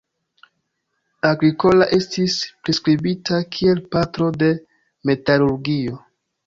Agricola estis priskribita kiel "patro de metalurgio".